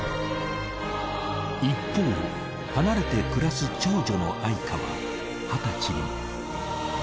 一方離れて暮らす長女の愛華は二十歳に。